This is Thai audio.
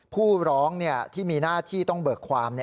ผู้ร้องที่มีหน้าที่ต้องเบิกความ